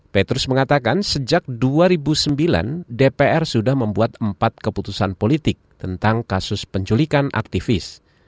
petrus mengatakan sejak dua ribu sembilan dpr sudah membuat empat keputusan politik tentang kasus penculikan aktivis